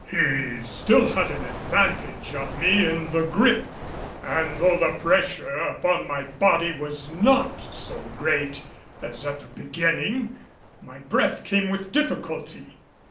He still had an advantage of me in the gripe; and though the pressure upon my body was not so great as at the beginning, my breath came with difficulty.